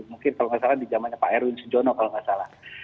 mungkin kalau nggak salah di zamannya pak erwin sujono kalau nggak salah